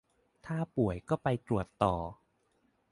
ถ้าป่วยก็ไปตรวจต่อ